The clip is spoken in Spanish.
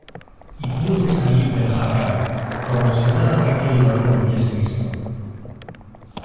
y pude salir del jacal como si nada de aquel dolor hubiese visto .